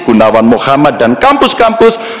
gunawan muhammad dan kampus kampus